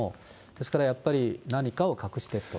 ですからやっぱり、何かを隠してると。